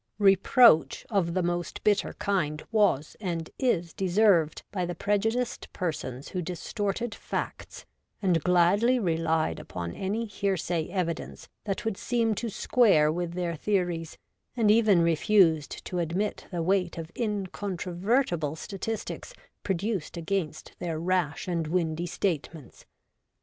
.Reproach of the most bitter kind was and is de served by the prejudiced persons who distorted facts and gladly relied upon any hearsay evidence that would seem to square with their theories, and even refused to admit the weight of incontrovertible statistics produced against their rash and windy statements.